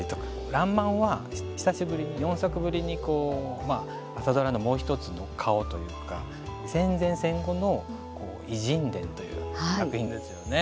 「らんまん」は久しぶりに４作ぶりに、まあ朝ドラのもう１つの顔というか戦前戦後の偉人伝という作品ですよね。